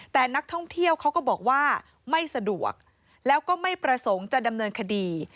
แต่นักท่องเที่ยวเขาก็บอกว่าไม่สะดวกแล้วก็ไม่ประสงค์จะดำเนินคดี